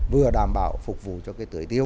vừa đảm bảo phục vụ cho tử tiêu